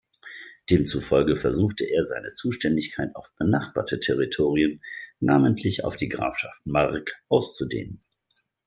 Demzufolge versuchte er, seine Zuständigkeit auf benachbarte Territorien, namentlich auf die Grafschaft Mark, auszudehnen.